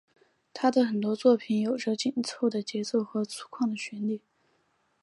他的很多作品有着紧凑的节奏和粗犷的旋律。